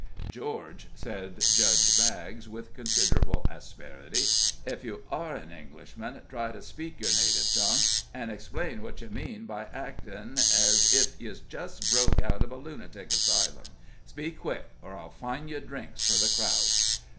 "George," said Judge Baggs, with considerable asperity, "ef you are an Englishman, try to speak your native tongue, an' explain what you mean by actin' ez ef you'd jes' broke out of a lunatic 'sylum. Speak quick, or I'll fine you drinks for the crowd."